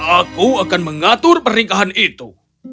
aku akan mengatur pernikahan itu